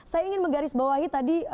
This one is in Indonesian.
saya ingin menggarisbawahi tadi